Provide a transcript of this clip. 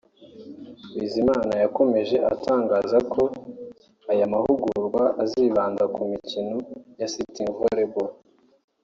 Bizimana yakomeje atangaza ko aya mahugurwa azibanda ku mikino ya Sitting Volleyball